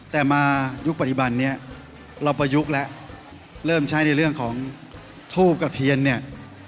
แต่มายุคปฏิบันเนี่ยเราไปยุคละเริ่มใช้ในเรื่องของทูบกับเทียนเนี่ย